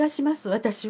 私は。